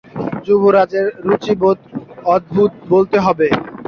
যুবরাজের রুচিবোধ অদ্ভুত বলতে হবে।